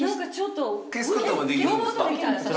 消す事もできるんですか？